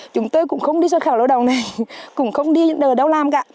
chúng tôi cũng không đi xuất khảo lộ đồng này cũng không đi đâu làm cả